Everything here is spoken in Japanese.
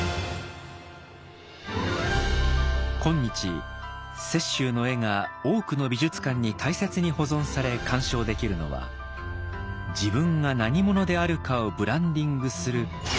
今日雪舟の絵が多くの美術館に大切に保存され鑑賞できるのは「自分が何者であるかをブランディングする」